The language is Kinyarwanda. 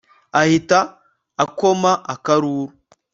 ahita akoma akaruru